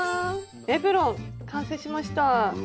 エプロン完成しました。